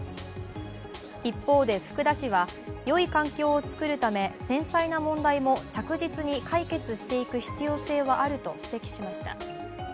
一方で福田氏は、よい環境を作るため繊細な問題も着実に解決していく必要性はあると指摘しました。